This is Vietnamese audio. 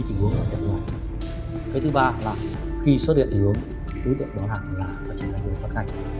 cái thứ ba là khi xuất hiện thì hướng đối tượng đó là trả lời đối tượng phát ngạch